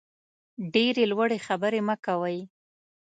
ډېرې لوړې خبرې مه کوئ.